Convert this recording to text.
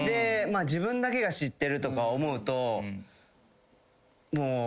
自分だけが知ってるとか思うともう。